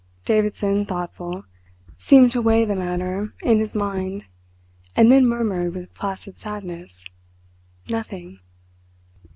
Davidson, thoughtful, seemed to weigh the matter in his mind, and then murmured with placid sadness: "Nothing!"